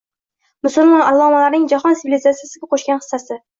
Musulmon allomalarning jahon sivilizatsiyasiga qo‘shgan hissasi